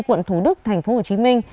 quận thủ đức tp hcm